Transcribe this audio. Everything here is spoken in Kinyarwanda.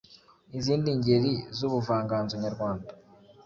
Izindi ngeri z’ubuvanganzo Nyarwanda